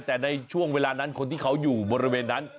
แต่ในช่วงเวลานั้นคนที่เขาอยู่บริเวณนั้น